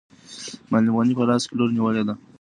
معلم غني په لاس کې لور نیولی دی.